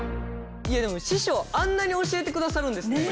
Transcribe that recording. いやでも師匠あんなに教えてくださるんですね。